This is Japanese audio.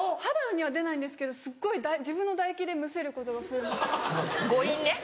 肌には出ないんですけどすっごい自分の唾液でむせることが増えました。